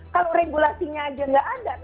kalau regulasinya aja nggak ada